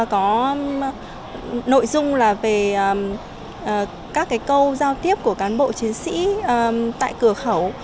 có nội dung là về các câu giao tiếp của cán bộ chiến sĩ tại cửa khẩu